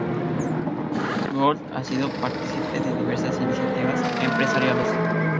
Gold ha sido partícipe de diversas iniciativas empresariales.